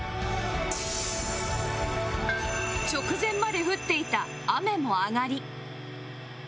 直前まで降っていた雨も上がり